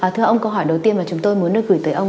thưa ông câu hỏi đầu tiên mà chúng tôi muốn được gửi tới ông